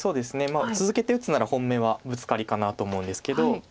続けて打つなら本音はブツカリかなと思うんですけど。